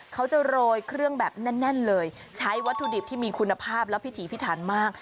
เครื่องแบบแน่นเลยใช้วัตถุดิบที่มีคุณภาพและพิถีพิธารมาก